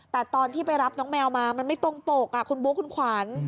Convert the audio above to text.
แต่ตอนที่ไปรับน้องแมวมามันไม่ตรงปกคุณบุ๊คคุณขวัญ